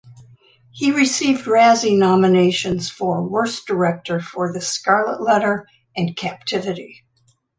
He received Razzie Nominations for Worst Director for "The Scarlet Letter" and "Captivity".